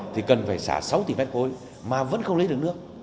thì cần phải xả sáu tỷ m ba mà vẫn không lấy được nước